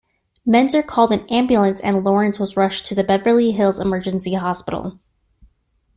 Menzer called an ambulance and Lawrence was rushed to Beverly Hills Emergency Hospital.